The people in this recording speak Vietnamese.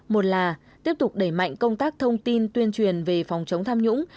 một là tiếp tục đẩy mạnh công tác thông tin tuyên truyền về phòng chống tham nhũng